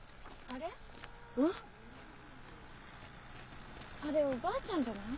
あれおばあちゃんじゃない？